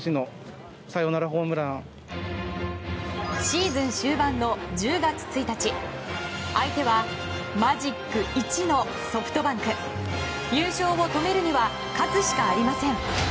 シーズン終盤の１０月１日相手は、マジック１のソフトバンク。優勝を止めるには勝つしかありません。